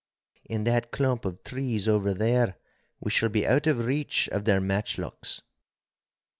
In that clump of trees over there we shall be out of reach of their matchlocks.